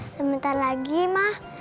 sebentar lagi mah